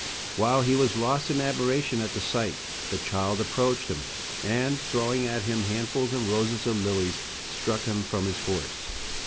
While he was lost in admiration at the sight the child approached him, and, throwing at him handfuls of roses and lilies, struck him from his horse.